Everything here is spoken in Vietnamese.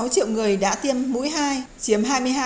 một mươi sáu triệu người đã tiêm mũi hai chiếm hai mươi hai một dân số